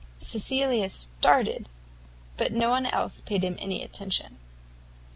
Cecilia started, but no one else paid him any attention.